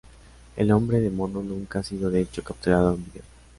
El hombre de mono nunca ha sido de hecho capturado en video.